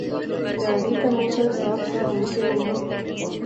تیہاڑی تے موسم صاف سا ہُن کہہ ہویا